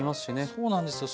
そうなんですよ